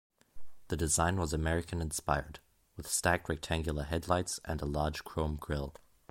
The design was American-inspired, with stacked rectangular headlights and a large chrome grille.